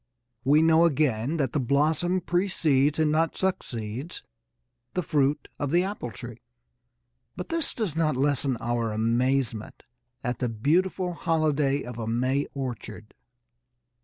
We know, again, that the blossom precedes and not succeeds the fruit of the apple tree, but this does not lessen our amazement at the beautiful holiday of a May orchard.